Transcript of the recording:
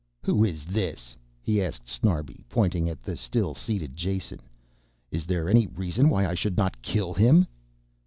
"Who is this?" he asked Snarbi, pointing at the still seated Jason. "Is there any reason why I should not kill him."